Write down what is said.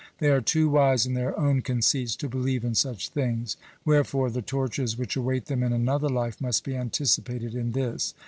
They are too wise in their own conceits to believe in such things: wherefore the tortures which await them in another life must be anticipated in this.